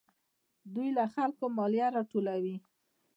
دوی له خلکو مالیه راټولوي.